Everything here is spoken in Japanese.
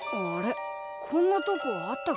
こんなとこあったっけ？